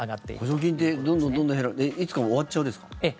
補助金っていつか終わっちゃうんですか。